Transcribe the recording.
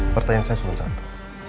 pertanyaan saya cuma satu